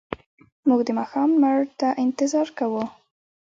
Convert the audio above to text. موږ د ماښام لمر ته انتظار کاوه.